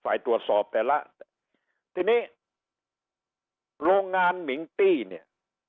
ฝ่ายตรวจสอบแต่ละทีนี้โรงงานมิงตี้เนี่ย